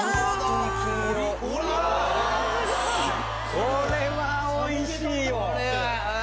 これはおいしいよ